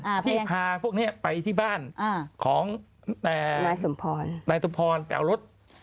อ่าพยานที่พาพวกเนี่ยไปที่บ้านอ่าของนายสมพรนายสมพรแป๋วรถ